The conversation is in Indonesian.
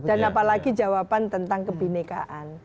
dan apalagi jawaban tentang kebenekaan